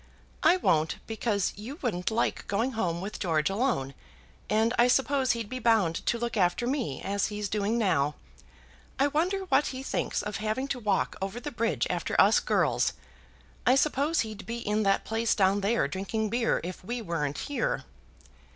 "I won't, because you wouldn't like going home with George alone, and I suppose he'd be bound to look after me, as he's doing now. I wonder what he thinks of having to walk over the bridge after us girls. I suppose he'd be in that place down there drinking beer, if we weren't here."